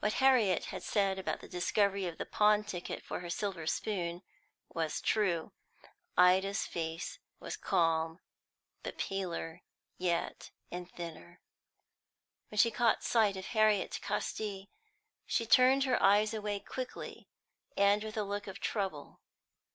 What Harriet had said about the discovery of the pawn ticket for her silver spoon was true. Ida's face was calm, but paler yet and thinner. When she caught sight of Harriet Casti, she turned her eyes away quickly, and with a look of trouble.